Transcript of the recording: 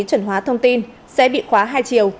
chuẩn hóa thông tin sẽ bị khóa hai triệu